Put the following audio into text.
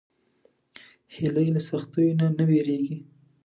هیلۍ له سختیو نه نه وېرېږي